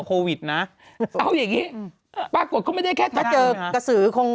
โควิดนะเอาอย่างงี้ปรากฏเขาไม่ได้แค่ถ้าเจอกระสือคง